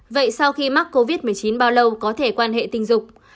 vậy sau khi mắc covid một mươi chín bao lâu có thể quan hệ tình dục